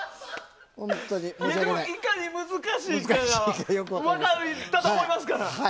いかに難しいかが分かったと思います。